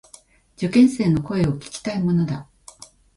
受験生の声を聞きたいものだ。